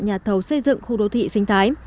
nhà thầu xây dựng khu đô thị sinh thái